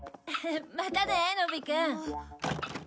またね野比くん。